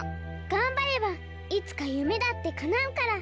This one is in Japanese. がんばればいつかゆめだってかなうから。